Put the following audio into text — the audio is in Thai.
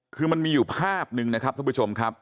คือมันมีอยู่ภาพหนึ่งนะครับท่านผู้ชมครับ